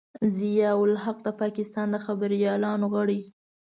ضیا الحق د پاکستان د خبریالانو غړی.